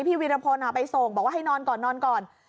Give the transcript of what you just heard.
วีรพลไปส่งบอกว่าให้นอนก่อนนอนก่อน